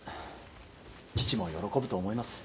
父も喜ぶと思います。